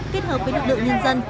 kết hợp với lực lượng nhân dân